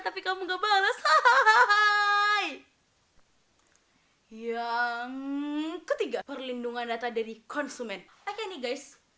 tapi kamu gak bales hahaha yang ketiga perlindungan data dari konsumen oke nih guys